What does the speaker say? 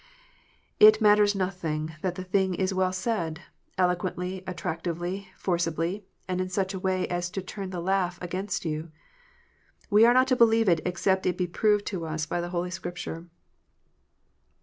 It matters nothing that the thing is well said, eloquently, attract ively, forcibly, and in such a way as to turn the laugh against you. We are not to believe it except it be proved to us by Holy Scripture.